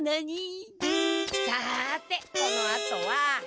さてこのあとは。